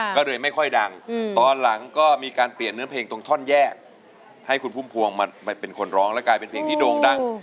ก็เลยไม่ค่อยดังตอนหลังก็มีการเปลี่ยนเนื้อเพลงตรงท่อนแยกให้คุณพุ่มพวงมาเป็นคนร้องแล้วกลายเป็นเพลงที่โด่งดัง